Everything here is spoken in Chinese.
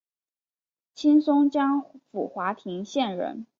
清松江府华亭县人。